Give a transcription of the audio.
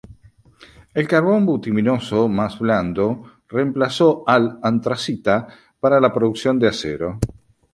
El carbón bituminoso más blando reemplazó al antracita para la producción de acero.